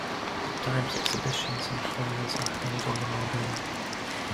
At times exhibitions and fairs are held in the maidan.